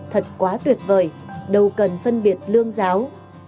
thật quá tuyệt vời đâu cần phân biệt lương giáo